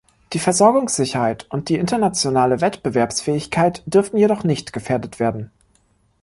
Die Versorgungssicherheit und die internationale Wettbewerbsfähigkeit dürften jedoch nicht gefährdet werden.